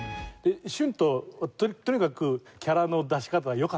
駿音とにかくキャラの出し方が良かったので。